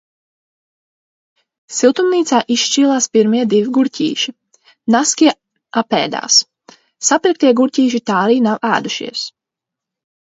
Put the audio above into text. Siltumnīcā izšķīlās pirmie divi gurķīši, naski apēdās. Sapirktie griķīši tā arī nav ēdušies.